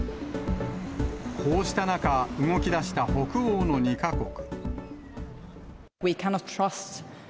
こうした中、動きだした北欧の２か国。